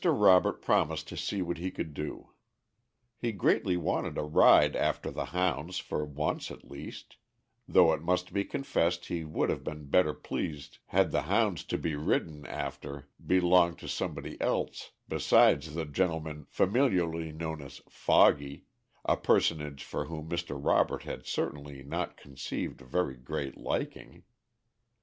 Robert promised to see what he could do. He greatly wanted to ride after the hounds for once at least, though it must be confessed he would have been better pleased had the hounds to be ridden after belonged to somebody else besides the gentleman familiarly known as "Foggy," a personage for whom Mr. Robert had certainly not conceived a very great liking.